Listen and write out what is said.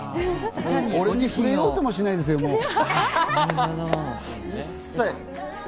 もう俺に触れようともしないですよ、一切。